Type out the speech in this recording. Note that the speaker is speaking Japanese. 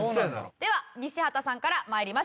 では西畑さんから参ります。